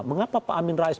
mengapa pak amin rais